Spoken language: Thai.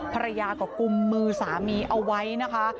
ภรรยาก็กุมมือสามีเอาไว้นะคะ